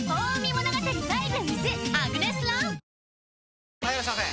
はぁ・はいいらっしゃいませ！